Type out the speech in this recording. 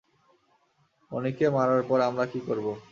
মনিকে মারার পর আমরা কী করবো?